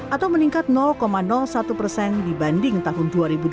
atau meningkat satu persen dibanding tahun dua ribu dua puluh